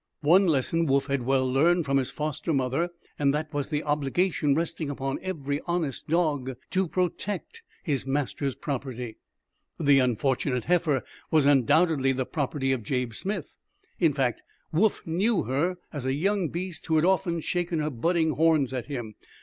One lesson Woof had well learned from his foster mother, and that was the obligation resting upon every honest dog to protect his master's property. The unfortunate heifer was undoubtedly the property of Jabe Smith. In fact, Woof knew her as a young beast who had often shaken her budding horns at him.